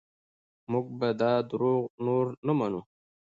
موږ به دا دروغ نور نه منو.